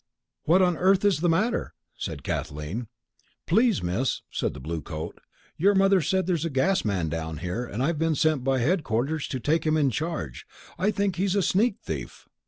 "What on earth is the matter?" said Kathleen. "Please, Miss," said the blue coat, "your mother said there's a gas man down here and I've been sent by headquarters to take him in charge. I think he's a sneak thief."